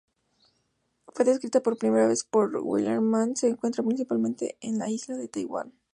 Fue descrita por primera vez por Wileman.Se encuentra, principalmente, en la isla de Taiwán.